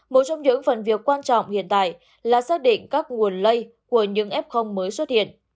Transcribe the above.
một trong những phần việc quan trọng hiện tại là xác định các nguồn lây của những f mới xuất hiện